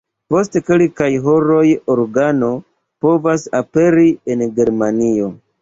Post kelkaj horoj organo povas aperi en Germanio.